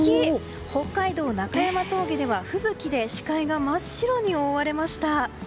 北海道中山峠では吹雪で視界が真っ白に覆われました。